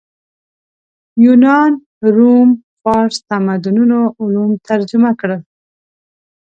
یونان روم فارس تمدنونو علوم ترجمه کړل